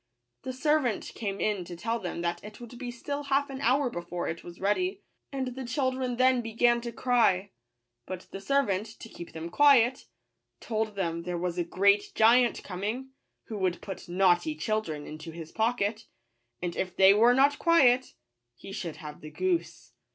The ser vant came in to tell them that it would be still half an hour before it was ready; and the children then began to cry : but the ser vant, to keep them quiet, told them there was a great giant coming, who would put naughty children into his pocket, and if they were not quiet, he should have the goose.